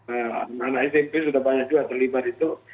anak anak smp sudah banyak juga terlibat itu